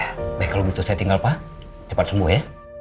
hai kalau gitu saya tinggal pak cepat sembuh ya